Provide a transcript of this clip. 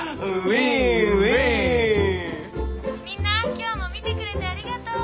みんな今日も見てくれてありがとう。